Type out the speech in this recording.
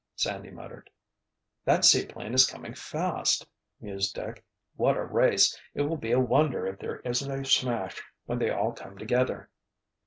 Sandy muttered. "That seaplane is coming fast!" mused Dick. "What a race! It will be a wonder if there isn't a smash when they all come together!"